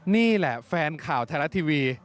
นี่แหละแฟนข่าวไทยรัฐทีวี